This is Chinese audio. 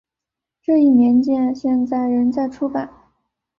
这一年鉴现在仍在出版。